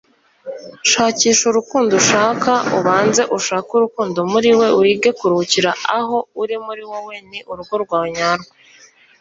shakisha urukundo ushaka, ubanze ushake urukundo muriwe. wige kuruhukira aho uri muri wowe ni urugo rwawe nyarwo